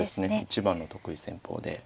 一番の得意戦法で。